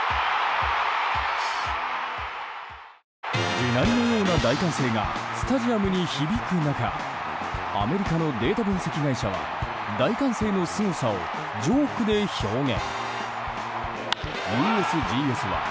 地鳴りのような大歓声がスタジアムに響く中アメリカのデータ分析会社は大歓声のすごさをジョークで表現。